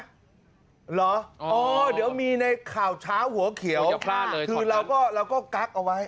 เหรออ๋อเดี๋ยวมีในข่าวเช้าหัวเขียวพลาดเลยคือเราก็เราก็กั๊กเอาไว้